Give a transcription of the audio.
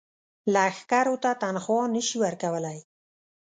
لښکرو ته تنخوا نه شي ورکولای.